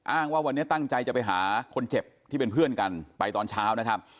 ว่าวันนี้ตั้งใจจะไปหาคนเจ็บที่เป็นเพื่อนกันไปตอนเช้านะครับ